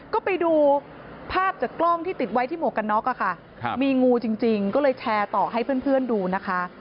ก็ไปดูภาพจากกล้องที่ติดไว้ที่หมวกกันน็อกค่ะมีงูจริงก็เลยแชร์ต่อให้เพื่อนดูนะคะ